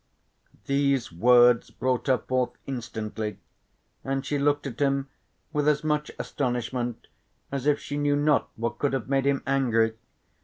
These words brought her forth instantly and she looked at him with as much astonishment as if she knew not what could have made him angry.